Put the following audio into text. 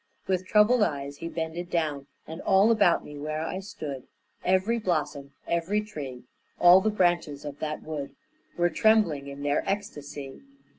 With troubled eyes he bended down, And all about me where I stood Every blossom, every tree, All the branches of that wood Were trembling in their ecstasy.